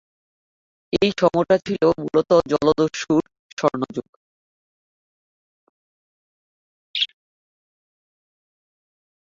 এ সময়টা ছিল মূলত জলদস্যুতার স্বর্ণযুগ।